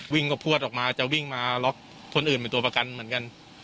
วิ่งก็พวดออกมาจะวิ่งมาล็อกคนอื่นเป็นตัวประกันเหมือนกัน